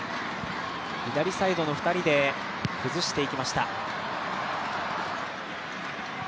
左サイドの２人で崩していきました。